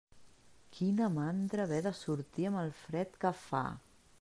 Quina mandra, haver de sortir amb el fred que fa.